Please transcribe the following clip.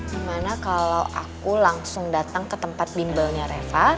gimana kalau aku langsung datang ke tempat bimbalnya reva